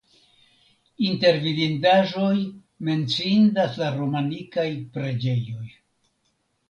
Inter vidindaĵoj menciindas la romanikaj preĝejoj.